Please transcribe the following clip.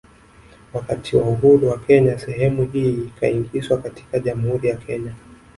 Wakati wa uhuru wa Kenya sehemu hii ikaingizwa katika Jamhuri ya Kenya